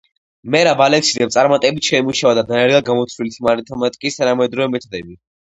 მერაბ ალექსიძემ წარმატებით შეიმუშავა და დანერგა გამოთვლითი მათემატიკის თანამედროვე მეთოდები.